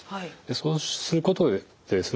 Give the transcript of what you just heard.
そうすることでですね